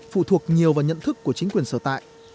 phụ thuộc nhiều vào nhận thức của chính quyền sở tại